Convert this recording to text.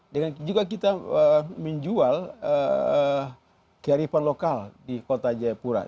dengan juga kita menjual kearifan lokal di kota jayapura